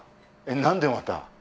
何でまた？